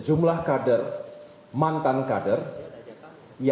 yang agar ketua umum partai demokrat jakarta